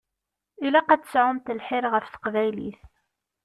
Ilaq ad tesɛumt lḥir ɣef teqbaylit.